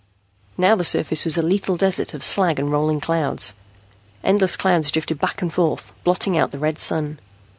Now the surface was a lethal desert of slag and rolling clouds. Endless clouds drifted back and forth, blotting out the red Sun.